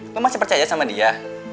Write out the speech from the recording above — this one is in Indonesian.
gue masih percaya sama dia